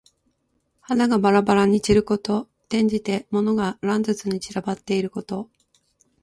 花がばらばらに散ること。転じて、物が乱雑に散らばっていること。